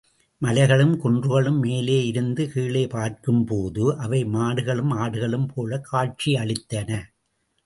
மலைகளும் குன்றுகளும் மேலே இருந்து கீழே பார்க்கும்போது அவை மாடுகளும் ஆடுகளும் போலக் காட்சி அளித்தன.